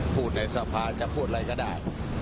ในสภาจะพูดอะไรก็ได้